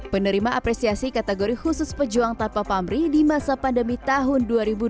penerima apresiasi kategori khusus pejuang tanpa pamri di masa pandemi tahun dua ribu dua puluh